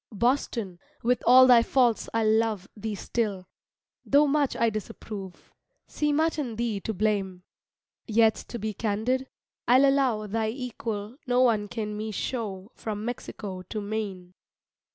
Boston, "with all thy faults I love Thee still," though much I disapprove See much in thee to blame; Yet to be candid, I'll allow Thy equal no one can me show From Mexico to Maine.